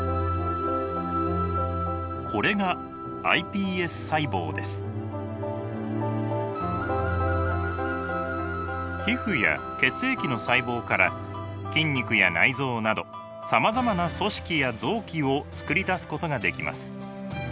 これが皮膚や血液の細胞から筋肉や内臓などさまざまな組織や臓器をつくり出すことができます。